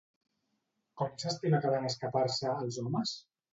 Com s'estima que van escapar-se, els homes?